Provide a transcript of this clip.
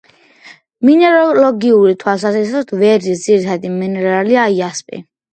მინეროლოგიური თვალსაზრისით, ვერძის ძირითადი მინერალია: იასპი.